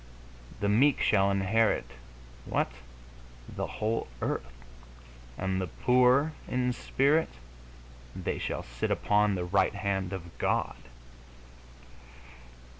The meek shall inherit what? The whole earth! And the poor in spirit? They shall sit upon the right hand of God!...